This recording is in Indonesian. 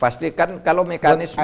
pastikan kalau mekanisme